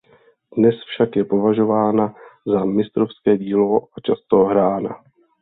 Dnes však je považována za mistrovské dílo a často hrána.